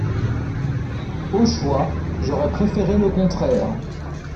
Au choix, j’aurais préféré le contraire.